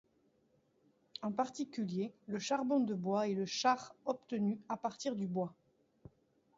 En particulier, le charbon de bois est le char obtenu à partir du bois.